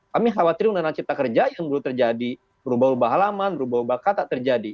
kami khawatir undang undang cipta kerja yang dulu terjadi berubah ubah halaman berubah ubah kata terjadi